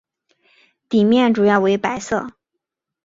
底面主要为白色。